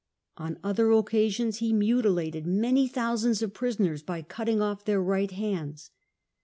^ On other occasions he mutilated many thousands of prisoners by cutting off their right hands.